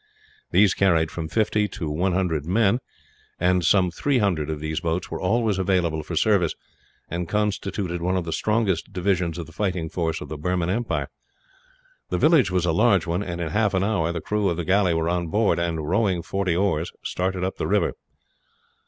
These carried from fifty to a hundred men, and some three hundred of these boats were always available for service, and constituted one of the strongest divisions of the fighting force of the Burman empire. The village was a large one, and in half an hour the crew of the galley were on board and, rowing forty oars, started up the river.